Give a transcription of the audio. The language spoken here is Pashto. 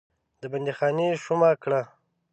د بندیخانې شومه کړ.